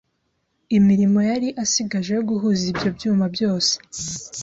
imirimo yari asigaje yo guhuza ibyo byuma byose